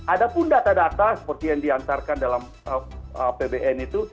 ada pun data data seperti yang diantarkan dalam apbn itu